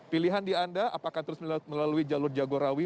pilihan di anda apakah terus melalui jalur jagorawi